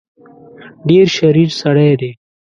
ډېر شریر سړی دی.